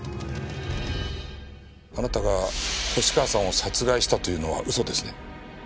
あなたが星川さんを殺害したというのは嘘ですね？